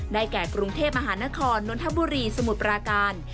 แก่กรุงเทพมหานครนนทบุรีสมุทรปราการ